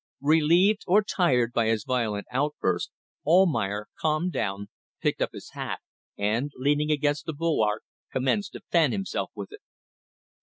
Relieved or tired by his violent outburst, Almayer calmed down, picked up his hat and, leaning against the bulwark, commenced to fan himself with it.